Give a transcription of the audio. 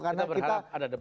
kita berharap ada debat